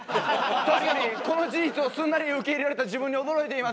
確かにこの事実をすんなり受け入れられた自分に驚いています。